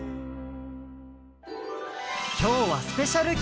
きょうはスペシャルきかく！